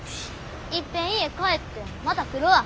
いっぺん家帰ってまた来るわ。